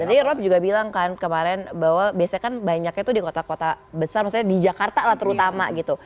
jadi rob juga bilang kan kemarin bahwa biasanya kan banyaknya tuh di kota kota besar maksudnya di jakarta lah terutama gitu